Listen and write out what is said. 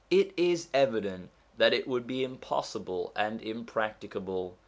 It is evident that it would be impossible and impracticable.